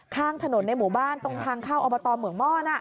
ข้างถนนในหมู่บ้านตรงทางเข้าอบตเหมืองม่อน